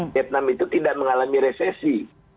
vietnam itu tidak mengalami resesi